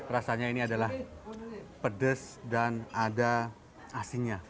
rasanya ini adalah pedes dan ada asinnya